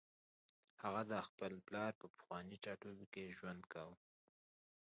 هغه د خپل پلار په پخواني ټاټوبي کې ژوند کاوه